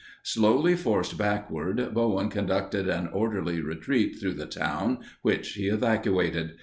Slowly forced backward, Bowen conducted an orderly retreat through the town, which he evacuated.